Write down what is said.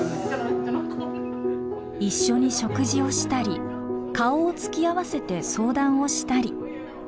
一緒に食事をしたり顔を突き合わせて相談をしたり。